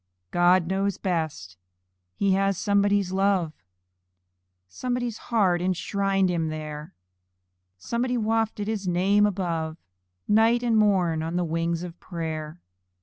God knows best! He has somebody's love; Somebody's heart enshrined him there Somebody wafted his name above, Night and morn, on the wings of prayer.